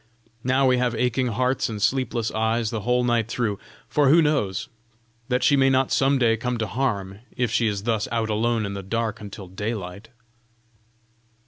Now we have aching hearts and sleepless eyes the whole night through; for who knows, that she may not some day come to harm, if she is thus out alone in the dark until daylight."